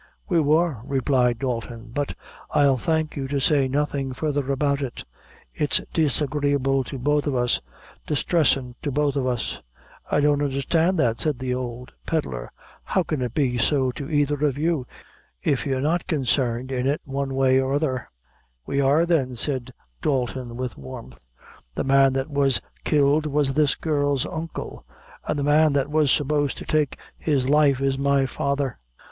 "We were," replied Dalton; "but I'll thank you to say nothing further about it; it's disagreeable to both of us distressin' to both of us." "I don't understand that," said the old pedlar; "how can it be so to either of you, if you're not consarned in it one way or other?" "We are, then," said Dalton, with warmth; "the man that was killed was this girl's uncle, and the man that was supposed to take his life is my father.